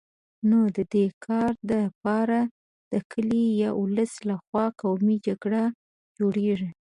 نو د دي کار دپاره د کلي یا ولس له خوا قومي جرګه جوړېږي